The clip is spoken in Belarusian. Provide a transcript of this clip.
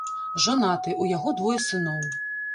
Жанаты, у яго двое сыноў.